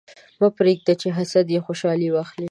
مه پرېږده چې حسد دې خوشحالي واخلي.